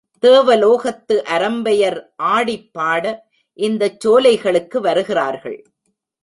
தேவலோகத்து அரம்பையர் ஆடிப்பாட, இந்தச் சோலைகளுக்கு வருகிறார்கள்.